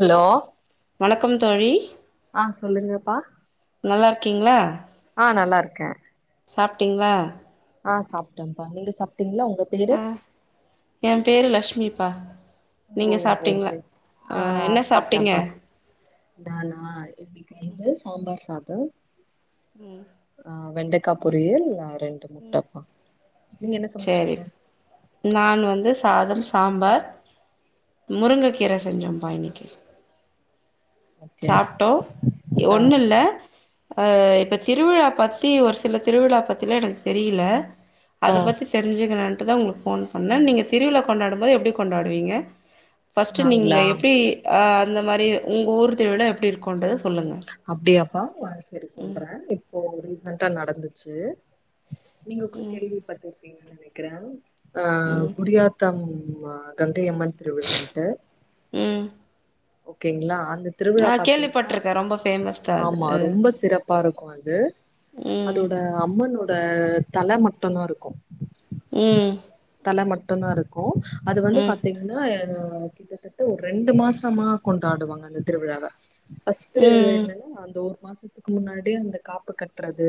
Hello வணக்கம் தோழி அ சொல்லுங்கப்பா நல்லா இருக்கீங்களா ஆ நல்லா இருக்கேன். சாப்ட்டீங்களா? அ சாப்டன்ப்பா நீங்கா சாப் டீங்களா? உங்க பேரு பா நீங்க ஓ ரைட் சாப்ட்டீங்களா ரைட் அ ஆ என்ன சாப்ட்டீங்க? சாப்ட்டேன்ப்பா நானா இப்டி [unintelligible] சாம்பார் சாதம் உம் வெண்டக்கா பொரியல் ஆ ரெண்டு முட்டப்பா நீங்க என்ன சேரி சமைச்சீங்க? நான் வந்து சாதம் சாம்பார் முருங்கக்கீர செஞ்சோம்மபா இன்னிக்கி ஓகே சாப்டோ ஆ ஒண்ணுல்ல அ இப்ப திருவிழா பத்தி ஒரு சில திருவிழா பத்திலா எனக்கு தெரியில ஆ அதப் பத்தி தெரிஞ்சுக்கணுன் ட்டுதா நீங்க ஃபோன் பண்ணன் நீங்க திருவிழா கொண்டாடும் போது எப்டி கொண்டாடுவீங்க ஃபஸ்ட்டு நீங்க நாங்களா எப்டி அ அந்த மாரி உங்க ஊர்த் விட எப்டி இருக்கும்டுஸ் அப்டியாப் அ சீரி சொல்றே இப்போ ரீசென்ட்டா நடந்துச்சு நீங்க கூட கேள்விப்பட்டு அப்பிடினு நெனக்கற ஆ ம் குடியாத்தம் மாதம் இத்தை அம்மன் திருவிழான்ட்டு ம் ஓகேங்ளா அந் நா கேள்விப்பட்டிருக்கே ரொம்ப ஃபேமஸ் தா அது ஆமா அ ரொம்ப சிறப்பா இருக்கு அது ம் அதோட அம்மன் அம்மன்னோட தல மட்டுதா இருக்கு ம் ல மட்டும் தா இருக்கு அது வந்து ம் பாத்தீங்னா அ கிட்டத்தட்ட ஒரு ரெண்டு மாசமா கொண்டாடுவாங்க அந்த திருவிழாவ ஃபர்ஸ்ட்டு ம் அந்த ஒரு மாசத்துக்கு முன்னாடியே அந்த காப்பு கட்டுறது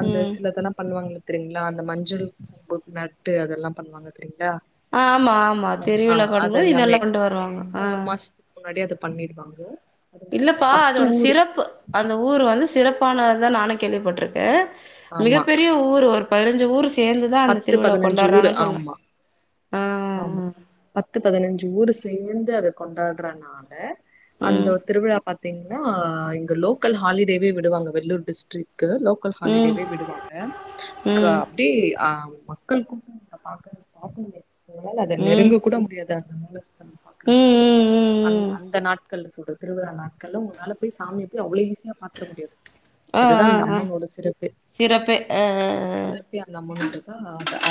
அந்த ம் சிலதெல்லாம் பண்ணுவாங்களே தெரிங்களா அந்த மஞ்சள் கொம்பு நட்டு அதெல்லாம் பண்ணுவாங்க தெரியுங்களா ஆமா ஆமா அஹ், திருவிழா ஆஹ் அது கொண்டபது எல்லாமே இதெல்லா கொண்டு வருவாங்க ஆ ஒரு மாசத்துக்கு முன்னாடி அத பண்ணிடுவாங்க அது மொத்தம் இல்லப்பா பத்து அதோட ஊர் சிறப்பு அந்த ஊரு அது வந்து சிறப்பானத நானு கேள்விப்பட்டிருக்கே ஆமா மிகப்ப பெரிய ஊர் ஒரு பதினஞ்சி ஊரு சேந்து தா அந்த பத்து திருவிழா பதினஞ்சு ஊரு கொண்டாடுறாங்கன்னு சொல்லே ஆமா ஆமா பத்து பதினஞ்சு ஊரு சேந்து அத கொண்டாட்றனால ம் அந்தோ திருவிழா பாத்தீங்னா இங்க லோக்கல் ஹாலிடேவே விடுவாங்க வெள்ளூர் டிஸ்ட்ரிக் லோக்கல் ம் ஹாலிடேவே விடுவாங்க ம் அப்டே மக்கள் கூட்டோ நீ பாக்கலை பாக்கலையே நம்மனால அத ம் ம் நெருங்க கூட முடியாது அந்த பஸ் தன் ம் பாக்குறதுக்கு ம் அந்த ம் அந்த நாட் நாட்கள்ல சொல்றே திருவிழா நாட்கள்ல உங்களால போய் சாமிய போய் அவ்ளோ ஈஸியா பாத்துற முடியாது ஆ அதுதா ஆ அந்த ஆ அம்மனோட சிறப்பு சிறப்பே ஆ சிறபே அந்த அம்மனோட தா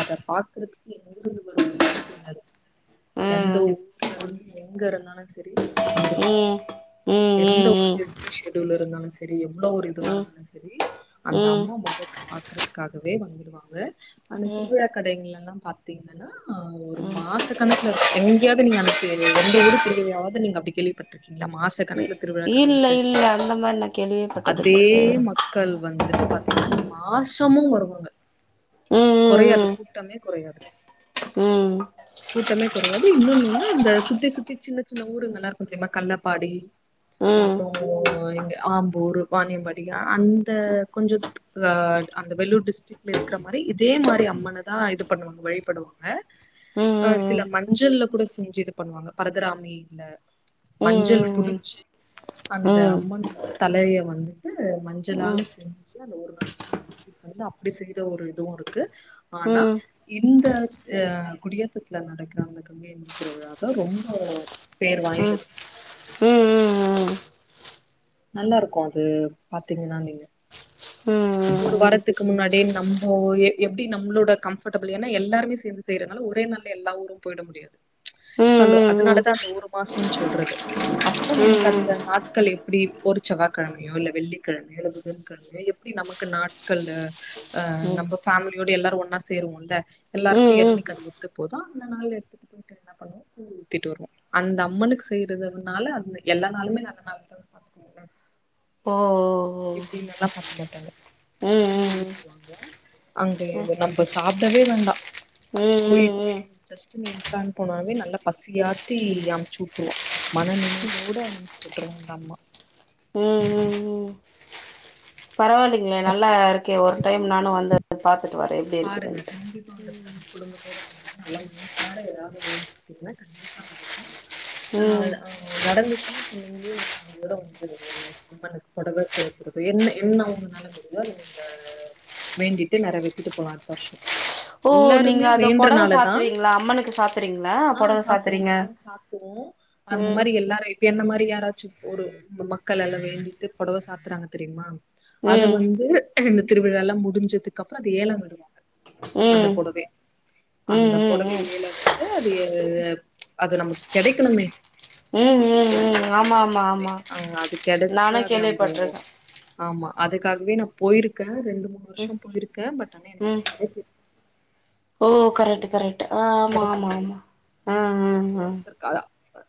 அத பாக்கறதுக்கு எங்கருந்து வருமோ னே தெரியாது ஆ ஆ எந்த ஊர்ல இருந்து எங்க இருந்தாலு செரி வந்துருவாங்க ம் ம் எந்த ஒரு ம் பிஸி ஷெட்யூல் இருந்தாலு செரியம் எந்த ஒரு இதுவ ம் ம் இருதாலு செரி அந்த ம் அம்மா முகத்த பாக்குறதுக்காகவே வந்துடுவாங்க அந்த ம் திருவிழா கடைங்களா எல்லா பாத்தீங்கன்னா ஹ ஒரு மாச கணக்குல இருக்கு எங்கயாவ்து நீங்க அந்த தெ எந்த ஒரு தெருவிலாயாவ்து நீங்க அப்டி கேள்விப்பட்டிருக்கீங்களா மாச கணக்குல திருவிழா இல்ல கடன்ட்டு இல்ல அந்த மாரி நா கேள்வியே பட்டதில்ல அதே அ மக்கள் வந்துட்டு பாத்தீங்கன்னா இந்த மாச அம்மாவு வருவாங்க ம் குறையாது ம் கூட் கூட்டமே கொறையாது ம் ம் கூட்டமே குறையாது இன்னொன்னு ஒன்னா அந்த சுத்தி சுத்தி சின்ன சின்ன ஊருங்கல்லா இருக்கு தெரியுமா கள்ளப்பாடி ம் அப்புறோ இங்க ஆம்பூர் வானியம்பாடி அந்த கொஞ்ச அஹ் அந்த வெல்லூர் டிஸ்ட்ரிக்ல இருக்கிற மாரி இதே மாரி அம்மனதா இது பண்ணுவாங்க வழிபடுவாங்க அ ம் ஹ சில ம் மஞ்சள்ல கூட செஞ்சு இது பண்ணுவாங்க பரதராமில ம் மஞ்சள் ம் ம் புடிச்சு ம் ம் ம் அந்த அம்மனோட தலைய வந்துட்டு மஞ்சளால செஞ்சு அந்த ஒரு நாள் ஃபுல்லா தூக்கிட்டு வந்து அப்டி செய்யற ஒரு இதுவு இருக்கு ம் ம் ம் ம் ம் ஆனா ம் ம் இந்த ஹ் குடியேத்தத்துல நடக்கிற அந்த கங்கையம்மன் திருவிழாதா ரொம்ப பேர் ம் ம் வாய்ந்தது நல்லா இருக்கோ அது பாத்தீங்கன்னா நீங்க ஒரு வாரத்துக்கு முன்னாடியே நம்போ எ எப்டி நம்மளோட கம்ஃபர்டபிள் ஏன்னா எல்லாருமே சேர்ந்து செய்யறனால ஒரே நாள்லா எல்லா ஊரு போயிட முடியாது சோ அந்த அதனாலதா அந்த ஒரு மாசம்னு சொல்றது அப்போ ம் நமக்கு அந்த நாட்கள் எப்டி ஒரு செவ்வாய்கிழமையோ இல்ல வெள்ளிக்கிழமையோ இல்ல புதன்கிழமையோ எப்டி நமக்கு நாட்களு அஹ் நம்போ ஃபேமிலியோடு எல்லாரு ஒன்னா சேருவோம்ல்ல ம் ம் ம் எல்லாருக்கு என்னைக்கு அது ஒத்து போதோ அந்த நாள் எடுத்துட்டு போயிட்டு என்ன பண்ணுவோ கூழ் ஊத்திட்டு வருவோ அந்த அம்மனுக்கு செய்யறதுனால அந்த எல்லா நாளுமே நல்ல நாள்தா பாத்துக்கோங்களே ஓ ஓ இப்படி நல்லா பன் இருக்க மாட்டாங்க ம் சோ ம் கூழு ஊத்துவாங்க அங்க அங்க எங்க நம்ம சாப்பிடவே வேண்டா ம் ம் ம் கோயிலக்குள்ள ம் நீ ஜஸ்ட் நீ என்டர் போனாவே நல்லா பசியாத்தி அமைச்சுவுட்ருவா மன நினைவோட அமச்சுவிட்டுரு அந்த அம்மா பரவால்லைங்களே அங்க நல்லா இருக்கே ஒரு டைம் நானு வந்து ய் பாத் பாருங்க கண்டிப்பா வந்த பாருங்க குடும்பத்தோட பாருங்க நல்லா ஒன்ன சேந்து வேற ஏதாவது வேண்டுகிட்டுங்கனா கண்டிப்பாக நடக்கு ஹ் ம் ஹ நடந்துச்சுன்னா நீங்களே உங்க ஃபேமிலியோட வந்து இந்த அம்மனுக்கு பொடவ செலுத்துறது என்ன என்ன ஒங்கனால முடியுதோ அத நீங்க வேண்டிட்டு நெறவேத்திட்டு போலா அடுத்த வருஷோ ஓ நீங்க எல்லாருமே அத பொடவ வேன்றனாலதா சாத்துவீங்களா அம்மனுக்கு சாத்துறீங்களா ஆஹ் பொடவ சாத்துவோ சாத்துறீங்க பா சாத்துவோ அந்த ம் மாரி எல்லாரு இப்ப என்ன மாரி யாராச்சும் ஒரு உம் மக்களெல்லா வேண்டிக்ட்டு பொடவ சாத்துறாங்க தெரியுமா அத ம் வந்து திருவிழாலா முடிஞ்சதுக்கப்றோ அத ஏல வி ருவாங்க அந்த ம் பொடவே ம் அந்த ம் பொடவைய ம் ஏழ விட்டு அது எ அஹ் எ அது நமக் கெடைக்கணுமே ம் ம் எவ்ளோ ம் ஆமா காசு ஆமா இருந்தாலுமே ஆமா அவ்ங்க அது கெடைச்சா நானு அது நம்போ கேள்விப்பட்ருக்கே ஆமா அதுக்காகவே நா போயிருக்கே நானு ரெண்டு மூணு வர்ஷ போயிருக்கே பட் ஆனா எனக் ம் கெடைக்கு ஓ கரெக்ட்டு கரெக்ட்டு கெடைச்சதில்ல ஆமாம்மாம்மா அஹ் அஹ் அஹ்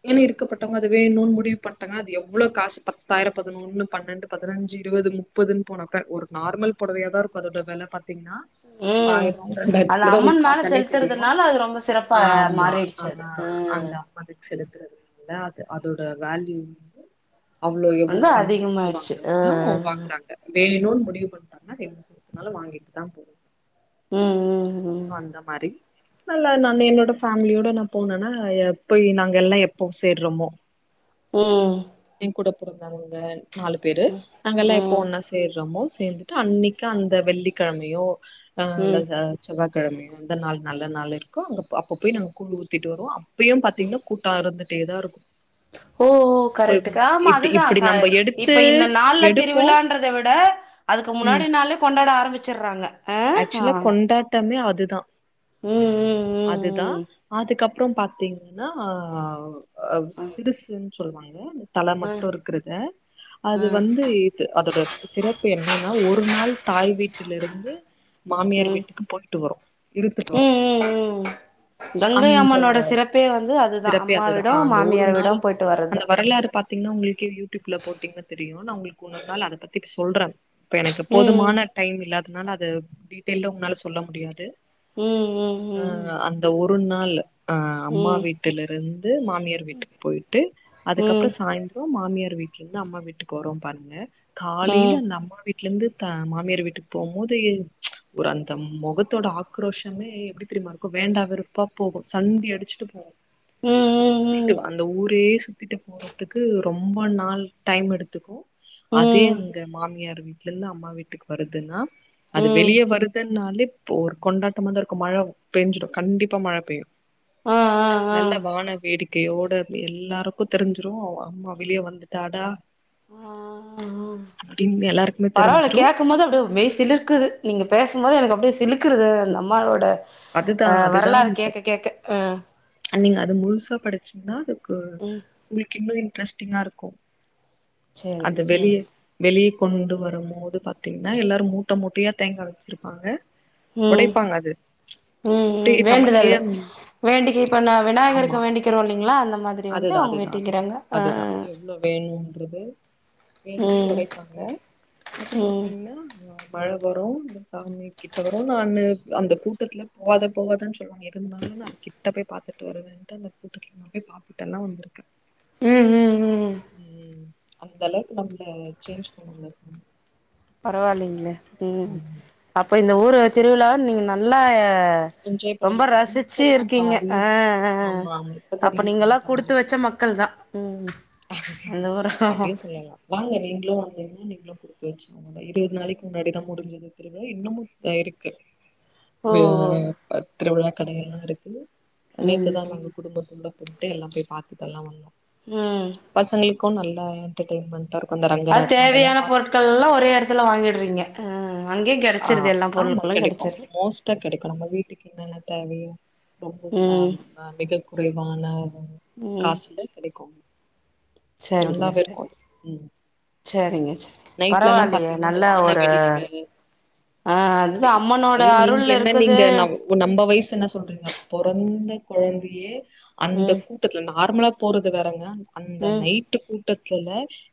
ஏனா இருக்கப்பட்டவ்ங்க அது வேணுன் முடிவு பண்டாங்னா அது எவ்ளோ காசு பத்தாயிர பதுனொன்னு பன்னெண்டு பதுனஞ்சு இருவது முப்பதுன் போனக்கூட ஒரு நார்மல் பொடவையாதா இருக்கு அதோட வெல பாத்தீங்னா ம் ஆயிர அந்த ரெண்டாயிரத்துக்குள்ளதாவரு அம்மன் மேல பாத்தாலே தெரியு செலுத்துறதுனால அது ரொம்ப சிறப்பா ஆஹ் ஆமா மாறிடுச்சு அது ஆஹ் ம் அந்த அம்மா வீட் செலவு அது அதோட வேல்யூ வந்து அவ்ளோ எவ்ளோ வந்து பணங் குடுத்து அதிகமாயிடுச்சு ஆ ஆ வாங்கிறதுனாலு வாங்குறாங்க வே இன்னு முடிவு பண்டாங்னா ரெண்டு குடுத்தனால வாங்கிட்டு தா போணு உம் உம் சோ அந்த மாரி நல்லா நாங்க என்னோட ஃபேம்லியோட நா போனனா எ போய் நாங்கெல்லா எப்போ சேர்றமோ உஹம் எங்க்கூட பொறந்த அவனுங்க நாலு பேரு நாங்கெல்லா எப்போ ம் ஒன்னா சேர்றோமோ சேந்துட்டு அன்னைக்கு அந்த வெள்ளி கெழமையோ ஆஹ் ம் இல்ல ம் சார் செவ்வாக் கெழமை எந்த நாள் நல்ல நாள் இருக்கோ அங்கப் அப்ப போய் நாங்க குண்டூத்திட் வரு அப்பயு பாத்தீங்னா கூட்டா இருந்து அப்டியேதா இருக்கு ஓஹோ இப்ப கரெட்டுக்கா ஆமா இப்டி அதுதா இப்டி சா நம்ம எடுத்து இப்ப இந்த நாளல எடுப்போ திருவிழான்றத விட அதுக்கு ம் முன்னாடி நாளே கொண்டாட ஆரம் வச்சுர்றாங்க ஆக்சுவலா கொண்டாட்டமே அ அதுதா ம், அதுதா ம், அதுக்கப் அப்புறம் பாார்த்தீங்கன்னா அது சிருசு சொல்லுவாங்க தலை ம், மட்டும் இருக்கிறது ம். அது ம், வந்து இ அதோட சிறப்பு என்னன்னா ஒரு நாள் தாய் வீட்டு வீட்ல இருந்து மாமியார் வீட்டுக்கு போயிட்டு வரும் இருந்துட்டு வரும் உம் உம் உம் கங்கை அந்த அம்மனோட சிறப்பே வந்து அதுதா சிறப்பே அம்மா அதுதான் விடம் ஆஹ் மாமியார விடம் போயிட்டு வர்றதுதா பத்தீங்கன்னா உங்களுக்கே யூடியூப்ல போட்டீங்கன்ன தெரியும் நா உங்களுக்கு ஒன்னொரு நாள் அதை பத்தி சொல்ற இப்ப எனக்கு ம். போதுமான டைம் இல்லாத அதனால அது டீட்டெயில உங்கனால சொல்ல முடியாது உம் உம் அ உம் அந்த ஒரு நாள் ஆஹ் அம்மா வீட்டுல இருந்து மாமியார் வீட்டுக்கு போயிட்டு ம், அதுக்கப்புற சாய்ந்தர மாமியார் வீட்டு்ல இருந்து அம்மா வீட்டுக்கு ஓரோம் பாருங்க ம். காலில நம்ம வீட் வீட்டுல இருந்து த மாமியார் வீட்டுக்கு போம் போது ஒரு அந்த முகத்தோட ஆக்ரோஷமே எப்படி தெரியுமா இருக்கும் வேண்டா வெறுப்பா போகு சண்டி அடிச்சுட்டு போகு ம், சுத்திட்டு ம், வா அந்த ஊரே சுற்றிட்டு போறதுக்கு ரொம்ப நாள் டைம் எடுத்துக்கும் ம். அதே ம், அங்க மாமியார் விட் எல்ல அம்மா வீட்டுக்கு வருதுன்னா அது ம். வெளிய வருதன் நால இப்ப ஒரு கொண்டாட்டமா தா இருக்கும் மழை பெயஞ்சிடும் கண்டிப்பா மழை பெய்யும் ஆ, ஆ, ஆ. நல்ல வான வேடிக் கையோட எல்லாருக்கும் தெரிஞ்சிரும் அம்மா வெளியே வந்துட்டாடா உம் அப்டின்னு எல்லாருக்குமே பரவால தெரிஞ்சிரு கேக்கம் போதே அப்படியே மெய் சில்லுர்க்குது. நீங்க பேசும்போது எனக்கு அப்டியே சிலுக்குறுது அந்த அம்மாளோட அதுதான் அதுதான் அ நீங்க அது முழுசா படு சின்னாது கு ம் உங்களுக் இன்னும் இன்ட்ரெஸ்டிங்கா இருக்கும் அது சேரிங்க வெளிய சேரிங்க வெளி கொண்டு வரும் போது பாத்தீங்கன்னா எல்லாரும் மூட்ட மூட்டையா தேங்கா வச்சுருப்பாங்க உடைப்பாங்க அது உம் உம் அப்டியே நமக்கே வேண்டுதலு வேண்டிக்கு இப்ப நான் விநாயகருக்கு வேண்டிக்கிறோ ங்களா அந்த மாதிரி வந்து அதுதான் அவங்க அதுதான் அதுதான் வேண்டிக்கிறாங்க ஆ அதுதான் எவ்ளோ வேண் டுறது வேண்டி ம் உடைப்பாங்க அப்ப ம் பாத்தீங்கன்னா மழ வரும் இந்த சாமி கிட்ட வரும் நானு அந்த கூட்டத்துல போகாத போவாதன்னு சொ அவுங்க இருந்தாலும் நா அது கிட்ட போய் பாத்துட்டு வருவேன்டு அந்த கூட்டத்துல நா போய் பாப் தலா உண்டு உம் உம் உம் ம் அந்த அளவுக்கு நம்மள சேஞ்ச் பண்ணுவாங்க [unintelligible] பரவாயில்லைங்களே உம் அப்ப இந்த ஊர் திருவிழா நீங்க நல்லா க என்ஜாய் ரொம்ப பண்ணிருக்கோ ரசிச்சு இப்பதான்ப்பா இருக்கீங்க ரீஸ் அஹ் ஆமா ஆமா இப்பதா அப்ப நீங்கல்லாம் ரீசென்டா குடுத்து வச்ச மக்கள் தான் உம் அப்டியும் சொல்லலாம் வாங்க நீங்களும் வந்தீங்கன்னா நீங்களும் குடுத்து வச்சவங்க தான் இருவது நாளைக்கு முன்னாடிதான் முடிஞ்சது திருவிழா இன்னமும் இருக்கு ஓ ஓ வ ஆஹ் திருவிழா கடையெல்லாம் இருக்கு ம் அனைத்துதான் நாங்க குடும்ப கும்ட போய்ட்டு எல்லாம் போய் பாத்துட்டு எல்லாம் வந்தோம் உம் கு நல்லா என்டர்டெயின்மெண்டா இருக் அது தேவையான பொருட்கள் எல்லாம் ஒரே இடத்துல வாங்கிட்றீங்க ஆஹ் ஆஹ் ஆமா கெடைக்கும் மோஸ்டா கெடைக்கும் நம்ம வீட்டுக்கு என்னென்ன தேவையோ ரொம்ப ம் ஆஹ் மிக குறைவான ம் காசுல கிடைக்கும் சரிங்க சரி ம் சரிங்க சரி நைட்லல்லா பரவாயில்லையே நல்ல ஒரு ஆ ஐ அதுதா அம்மனோட ஐயோ நீங்க அருள் என்ன இருக்குது நீங்க நம் நம்ம வயசு என்ன சொல்றீங்க பொறந்த குழந்தையே ம் அந்த ம் கூட்டத்துல நா நார்மலா போறது வேறங்க அந்த ம் நைட்டு கூ ட்டதுல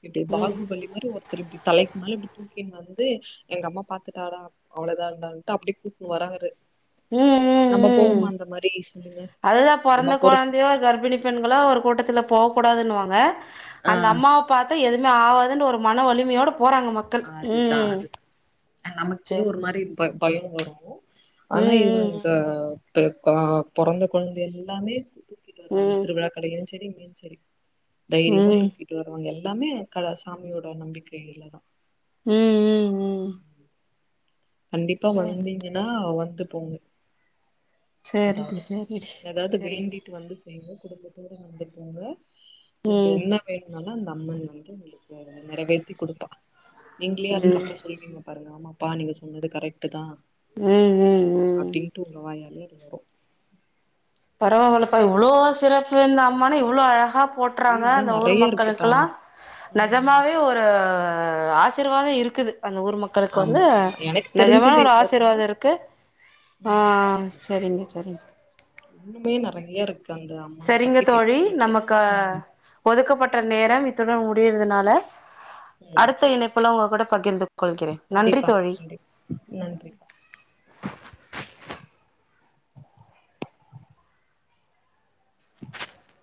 இப்டி ம் பாகுபலி மாரி ஒருத்தர் இப்டி தலைக்கு மேல இப்டி தூக்கின்னு வந்து எங்க அம்மா [unintelligible] பாத்துட்டாடா அவ்வளவுதாண்டானுட்டு அப்டியே கூட்டு வராரு உம் உம் நம்ம உம் போவோமா அந்த மாரி சொல்லுங்க அதுதா நம்ம பொறந்த போறது கொழந்தையோ கர்ப்பிணி பெண்களோ ஒரு கூட்டத்துல போக கூடாதுன்னுவாங்க ஆ அந்த அம்மாவை பாத்தா எது மே ஆவதுன்னு ஒரு மன வலிமையோடு அதுதா அது நமக்கே சரி ஒரு மாரி ப பயம் வரு ஆனா ம் இவங்க இப் ப பொறந்த கொழந்த எல்லாமே தூக்கிட்டு ம் வருவாங்க ம் திருவிழா கடைய செரிங்க செரி தைரியமும் ம் தூக்கிட்டு வருவங்க எல்லா எல்லாமே க சாமியோட நம்பிக்கையிலதா உஹம் உம் உம் கண்டிப்பா வந்தீங்கன்னா வந் வந்து போங்க செரிங்க செரிடி செரிங்க நீங்களு குடும்பத்தோட வந்துப்போங்க நீங்க ம் என்ன வேணுனாலு ந அந்த அம்மன் வந்து உங்களுக்கு நிறைவேத்தி குடுப்பா நீங்களே ம் அதுக்கப்புற சொல்லீங்க பாருங்க ஆமா பா னிக்கு சொ சொன்னது கரெக்ட் தா ம் ம் ம் அப்டின்ட்டு உங்க வாயே [unintelligible] வரும் பரவ பலப்பா இவ்வளோ சிறப்பு இருந்த அம்மா இவ்வளோ அழகா போட்டுறாங்க இன்னு அந்த ஊர் நெறைய இருக்குப்பா மக்கக்கெல்லாம் ம் நஜமாவே ஒரு ஆ ஆசிர்வாதம் இருக்குது அந்த ஊர் மக்களுக்கு வந்து ஆமா ஆமா எனக்கு நிஜமான தெரிஞ்சது ஒரு இவ்ளோதா ஆசிர்வாதம் இருக்கு ஆ ம் சரிங்க சரிங்க இன்னுமே நறைய இருக்கு அந்த அம்மன் சரிங்க பத்தி தோழி பேசிட்டே இருக்கலா நமக்கு ம் ஒதுக்கப்பட்ட நேரம் இத் இத்துடன் முடியறதுனால ம் அடுத்த இணைப்புல உங்க கூட பகிர்ந்து கொள்கிறேன் நன்றி கண்டிப்பா தோழி கண்டிப்பா நன்றிப்பா [inaudible]